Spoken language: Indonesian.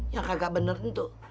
yang kagak bener tuh